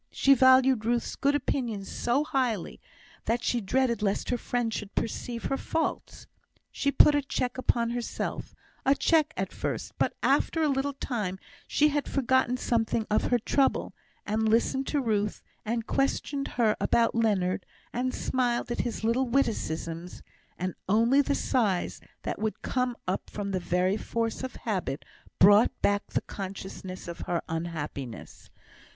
She valued Ruth's good opinion so highly, that she dreaded lest her friend should perceive her faults. She put a check upon herself a check at first; but after a little time she had forgotten something of her trouble, and listened to Ruth, and questioned her about Leonard, and smiled at his little witticisms; and only the sighs, that would come up from the very force of habit, brought back the consciousness of her unhappiness.